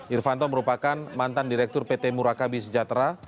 irfanto merupakan mantan direktur pt murakabi sejahtera